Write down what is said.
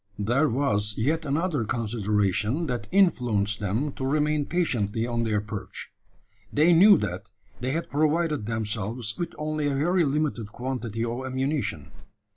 There was yet another consideration that influenced them to remain patiently on their perch. They knew that they had provided themselves with only a very limited quantity of ammunition.